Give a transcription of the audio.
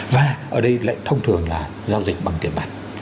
và ở đây lại thông thường là giao dịch bằng tiền bạc